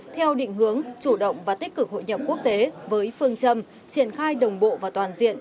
theo định hướng chủ động và tích cực hội nhập quốc tế với phương châm triển khai đồng bộ và toàn diện